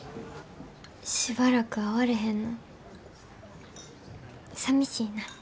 しばらく会われへんのさみしいな。